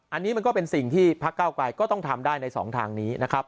อันนี้มันก็เป็นสิ่งที่พักเก้าไกรก็ต้องทำได้ในสองทางนี้นะครับ